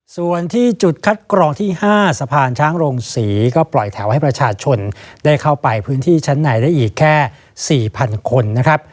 ส่วนที่จุดคัดกรองที่๕สะพานช้างโรงศรีก็ปล่อยแถวให้ประชาชนได้เข้าไปพื้นที่ชั้นในได้อีกแค่๔๐๐คนนะครับ